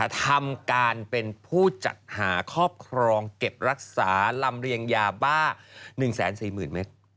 ทำการเป็นผู้จัดหาครอบครองเก็บรักษาลำเรียงยาบ้า๑๔๐๐๐เมตร